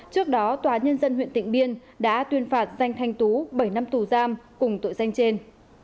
trước đó tòa nhân dân huyện tịnh biên đã tuyên phạt danh thanh tú bảy năm tù giam cùng tội danh trên